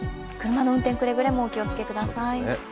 車の運転、くれぐれもお気をつけください。